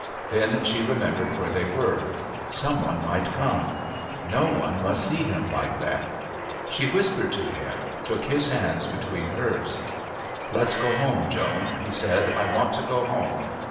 Then she remembered where they were. Some one might come. No one must see him like that. She whispered to him, took his hands between hers. "Let's go home, Joan," he said. "I want to go home."